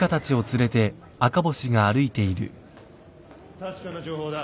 確かな情報だ。